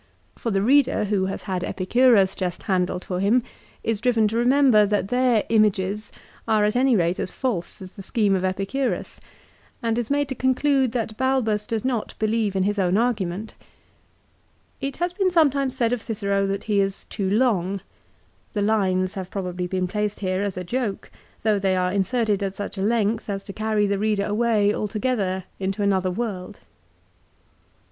For the reader, who has had Epicurus just handled for him, is driven to re member that their images are at any rate as false as the scheme of Epicurus, and is made to conclude that Balbus does not believe in his own argument. It has been some times said of Cicero that he is too long. The lines have probably been placed here as a joke, though they are inserted at such a length as to carry the reader away altogether into another world. 1 DC Kat. Deo.